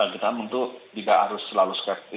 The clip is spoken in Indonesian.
kita untuk tidak harus selalu skeptis